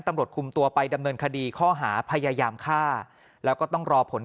ตำรวจคุมตัวไปดำเนินคดีข้อหาพยายามฆ่าแล้วก็ต้องรอผล